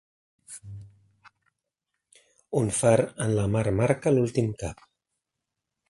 Un far en la mar marca l'últim cap.